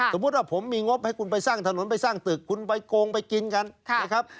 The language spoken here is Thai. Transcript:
สมมุติว่าผมมีงบให้คุณไปสร้างถนนไปสร้างตึกคุณไปโกงไปกินกันนะครับ